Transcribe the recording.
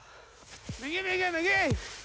右右右！